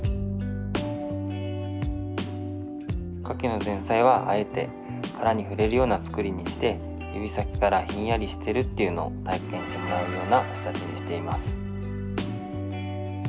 牡蠣の前菜はあえて殻に触れるような作りにして指先からひんやりしてるっていうのを体験してもらうような仕立てにしています。